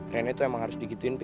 ren itu emang harus digituin pi